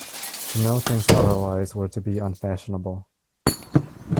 To know things otherwise were to be unfashionable.